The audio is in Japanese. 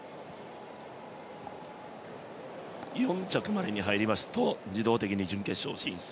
４着までに入りますと自動的に準決勝進出。